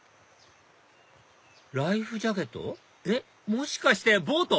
もしかしてボート？